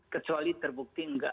kecuali terbukti enggak